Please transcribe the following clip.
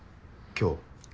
今日？